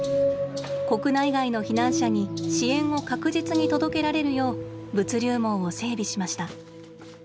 国内外の避難者に支援を確実に届けられるよう物流網を整備しました。